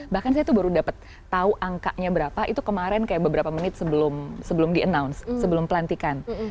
bahkan saya tuh baru dapat tahu angkanya berapa itu kemarin kayak beberapa menit sebelum di announce sebelum pelantikan